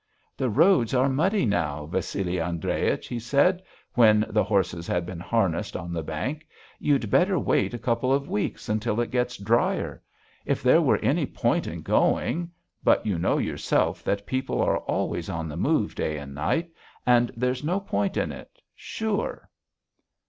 "The roads are now muddy, Vassili Andreich," he said, when the horses had been harnessed on the bank. "You'd better wait a couple of weeks, until it gets dryer.... If there were any point in going but you know yourself that people are always on the move day and night and there's no point in it. Sure!"